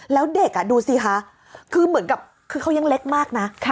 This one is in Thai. แล้วเด็กดูสิคะคือเหมือนกับคือเขายังเล็กมากนะ